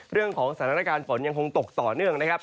เรื่องของสถานการณ์ฝนยังคงตกต่อเนื่องนะครับ